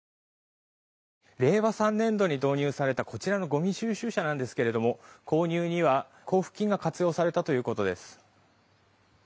令和３年度に導入されたこちらのごみ収集車なんですが購入には交付金が活用されたということです。